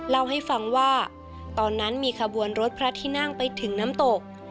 เล่าให้ฟังว่าตอนนั้นมีขบวนรถพระที่นั่งไปถึงน้ำตก